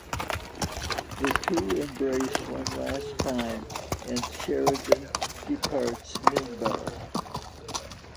The two embrace one last time, and Sheridan departs Minbar.